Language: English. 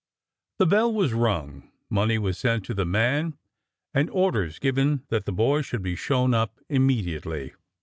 The bell was rung, money was sent to the man, and orders given that the boy should be shown up immediately.